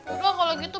udah kalau gitu